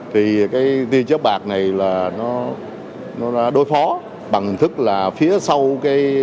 thì cái tia chất bạc này là nó đối phó bằng hình thức là phía sau cái